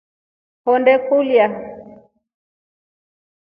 Honde kulya.